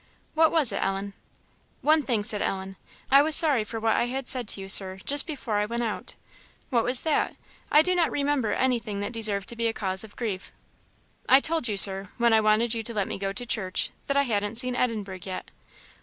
"What was it, Ellen?" "One thing," said Ellen, "I was sorry for what I had said to you, Sir, just before I went out." "What was that? I do not remember anything that deserved to be a cause of grief." "I told you, Sir, when I wanted you to let me go to church, that I hadn't seen Edinburgh yet."